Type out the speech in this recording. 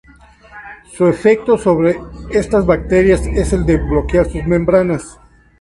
Su efecto sobre estas bacterias es el de bloquear sus membranas.